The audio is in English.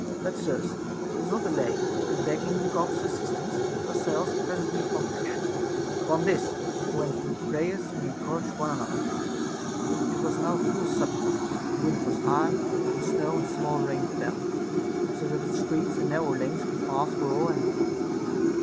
But, sirs, let us not delay, but begging the God's assistance, put ourselves presently upon action. Upon this, we went to prayers, and encouraged one an other. 30. It was now full supper time, the wind was high, and snow and small rain fell, so that the streets and nar row lanes we passed were all empty.